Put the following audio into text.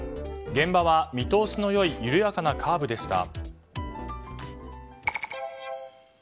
現場は見通しの良い緩やかなカーブでした。